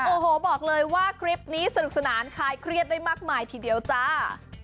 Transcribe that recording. โอ้โหบอกเลยว่าคลิปนี้สนุกสนานคลายเครียดได้มากมายทีเดียวจ้า